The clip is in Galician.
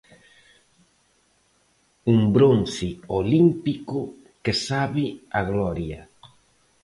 Un bronce olímpico que sabe a gloria.